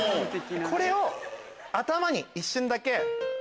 これを頭に一瞬だけ